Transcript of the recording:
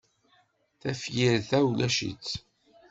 Tafyirt-a ulac-itt.